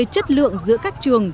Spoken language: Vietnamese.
chất lượng giữa các trường